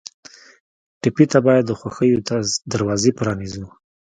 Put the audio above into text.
ټپي ته باید د خوښیو دروازې پرانیزو.